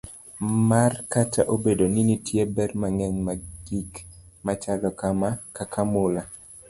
mar Kata obedo ni nitie ber mang'eny mag gik machalo kaka mula,